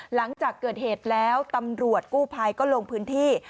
หลังจากเกิดเหตุแล้วตำรวจกู้ภัยก็ลงพื้นที่